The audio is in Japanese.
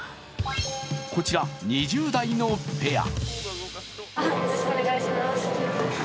こちら、２０代のペア。